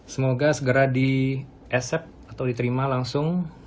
semoga segera di asep atau diterima langsung